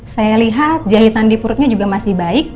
saya lihat jahitan di perutnya juga masih baik